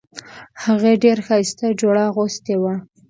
هغې ډیره ښایسته جوړه اغوستې وه